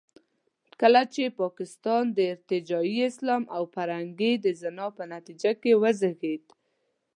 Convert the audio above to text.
کله چې پاکستان د ارتجاعي اسلام او پیرنګۍ د زنا په نتیجه کې وزېږېد.